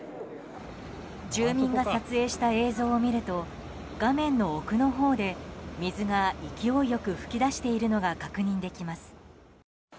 住民が撮影した映像を見ると画面の奥のほうで水が勢いよく噴き出しているのが確認できます。